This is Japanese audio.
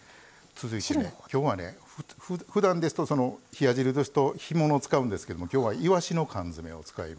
続いてねきょうはねふだんですと冷や汁ですと干物を使うんですけどもきょうはいわしの缶詰を使います。